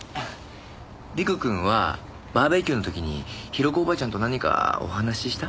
陸くんはバーベキューの時に広子おばちゃんと何かお話しした？